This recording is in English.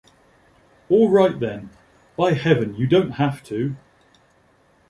All right, then; by Heaven, you don't have to!